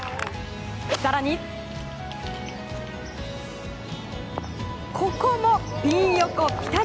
更にここもピン横ピタリ。